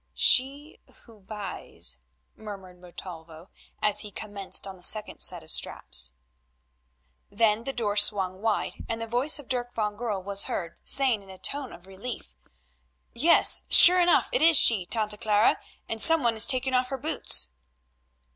"She who buys," murmured Montalvo as he commenced on the second set of straps. Then the door swung wide, and the voice of Dirk van Goorl was heard saying in a tone of relief: "Yes, sure enough it is she, Tante Clara, and some one is taking off her boots."